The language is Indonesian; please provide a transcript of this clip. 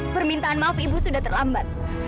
permintaan maaf ibu sudah terlambat